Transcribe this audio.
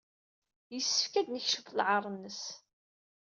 Yessefk ad d-nekcef lɛaṛ-nnes.